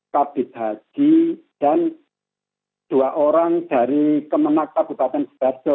kabupaten tum kabupaten tum ketua kloster dan chiad sebarjo